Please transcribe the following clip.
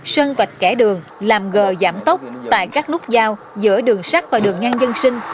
sơn vạch kẻ đường làm gờ giảm tốc tại các nút giao giữa đường sắt và đường ngang dân sinh